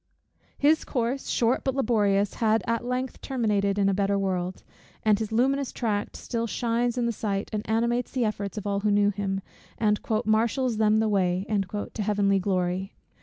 His course, short but laborious, has at length terminated in a better world; and his luminous tract still shines in the sight, and animates the efforts of all who knew him, and "marshals them the way" to Heavenly glory.